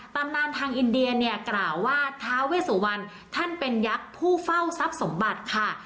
ตำนานทางอินเดียเนี่ยกล่าวว่าท้าเวสุวรรณท่านเป็นยักษ์ผู้เฝ้าทรัพย์สมบัติค่ะ